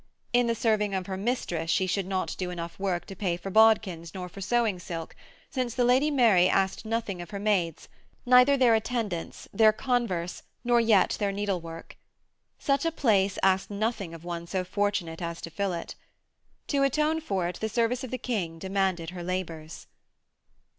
In the serving of her mistress she should do not enough work to pay for bodkins nor for sewing silk, since the Lady Mary asked nothing of her maids, neither their attendance, their converse, nor yet their needlework. Such a place asked nothing of one so fortunate as to fill it. To atone for it the service of the King demanded her labours.